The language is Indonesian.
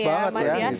iya cepat banget ya